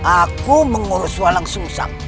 aku mengurus wolang sungsang